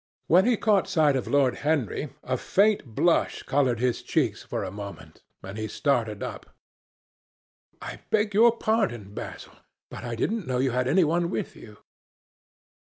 When he caught sight of Lord Henry, a faint blush coloured his cheeks for a moment, and he started up. "I beg your pardon, Basil, but I didn't know you had any one with you."